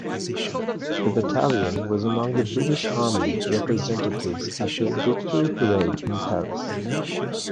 The battalion was among the British Army representatives at the Victory Parade in Paris.